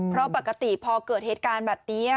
เพราะปกติพอเกิดเหตุการณ์แบบนี้